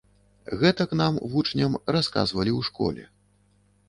Гэтак нам, вучням, расказвалі ў школе.